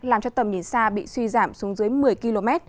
làm cho tầm nhìn xa bị suy giảm xuống dưới một mươi km